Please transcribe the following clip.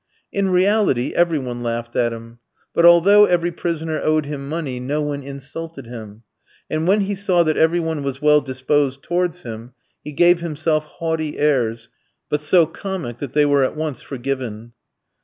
In reality every one laughed at him, but, although every prisoner owed him money, no one insulted him; and when he saw that every one was well disposed towards him, he gave himself haughty airs, but so comic that they were at once forgiven.